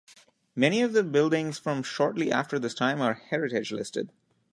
Many of the buildings from shortly after this time are heritage listed.